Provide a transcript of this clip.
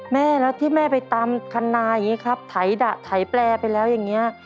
แม่แล้วที่แม่ไปตามคันนาอย่างนี้ครับไถดะไถแปลไปแล้วอย่างนี้